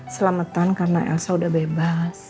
selamatan karena elsa sudah bebas